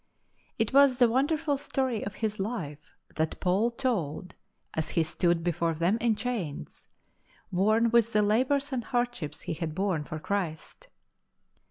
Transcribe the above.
It was the wonderful story of his life that Paul told as, he stood before them in chains, worn with the labours and hardships he had borne for Christ.